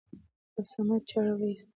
په صمد چاړه راوېسته.